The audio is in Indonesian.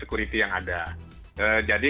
security yang ada jadi